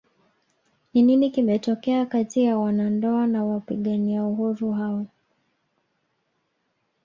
Ni nini kimetokea kati ya wanandoa na wapigania uhuru hao